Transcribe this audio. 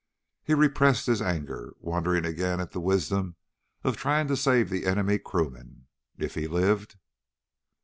He repressed his anger, wondering again at the wisdom of trying to save the enemy crewman. If he lived?